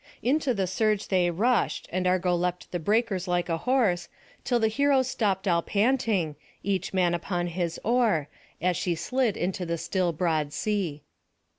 Into the surge they rushed, and Argo leapt the breakers like a horse, till the heroes stopped all panting, each man upon his oar, as she slid into the still broad sea.